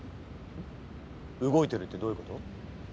動いてるってどういうこと？